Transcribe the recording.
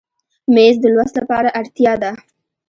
مېز د لوست لپاره اړتیا ده.